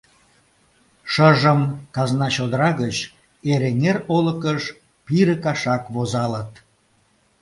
Шыжым казна чодыра гыч Эреҥер олыкыш пире кашак возалыт.